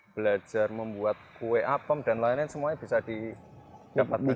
belajar membuat kue apem dan lain lain semuanya bisa didapatkan